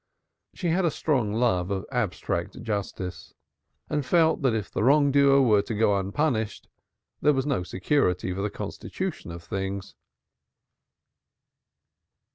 She had a strong love of abstract justice and felt that if the wrongdoer were to go unpunished, there was no security for the constitution of things.